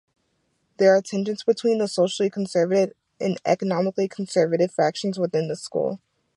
There are tensions between the socially conservative and economically conservative factions within the school.